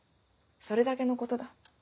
それだけのことだ。